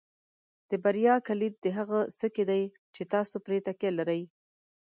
د بریا کلید د هغه څه کې دی چې تاسو پرې تکیه لرئ.